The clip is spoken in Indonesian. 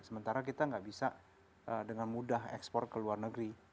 sementara kita nggak bisa dengan mudah ekspor ke luar negeri